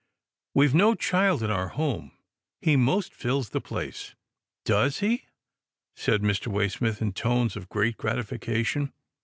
We've no child in our home. He most fills the place." " Does he," said Mr. Waysmith in tones of great gratification.